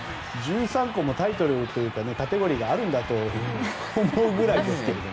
１３個もタイトルというかカテゴリーがあるんだと思うくらいですけど。